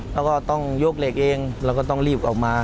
แล้วก็ต้องยกเหล็กเองแล้วก็ต้องรีบออกมา